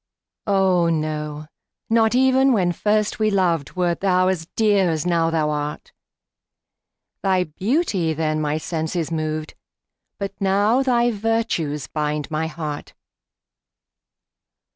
Oh, no not even when first we loved, Wert thou as dear as now thou art; Thy beauty then my senses moved, But now thy virtues bind my heart.